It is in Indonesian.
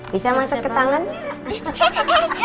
bisa masuk ke tangannya